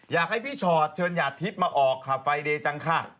อยากให้พี่ชอตเชิญหยาดทิพย์มาออกค่ะไฟเดย์จังค่ะ